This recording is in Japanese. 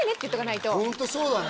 ホントそうだね。